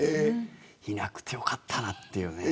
いなくてよかったなっていうね。